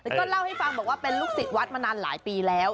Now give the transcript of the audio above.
ก็เล่าให้ฟังบอกว่าเป็นลูกศิษย์วัดมานานหลายปีแล้ว